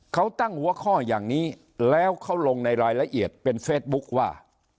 เขาตั้งหัวข้ออย่างนี้แล้วเขาลงในรายละเอียดเป็นเฟซบุ๊คว่า